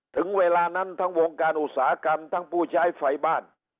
ถึงเวลานั้นทั้งวงการอุตสาหกรรมทั้งผู้ใช้ไฟบ้าน